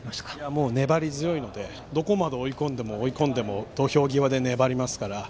もう粘り強いのでどこまで追い込んでも、土俵際で粘りますから。